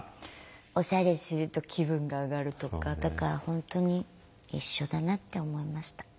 おしゃれすると気分が上がるとかだから本当に一緒だなって思いました。